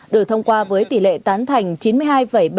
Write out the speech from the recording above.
được thông qua với tỷ lệ tán thành